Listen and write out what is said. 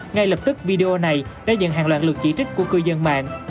ngay lập tức video này đã nhận hàng loạt lượt chỉ trích của cư dân mạng